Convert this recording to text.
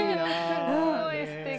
すごいすてき。